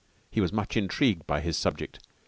He was much intrigued by his subject.